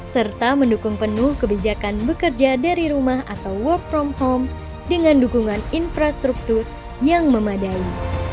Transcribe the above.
serta mendukung penuh kebijakan bekerja dari rumah atau work from home dengan dukungan infrastruktur yang memadai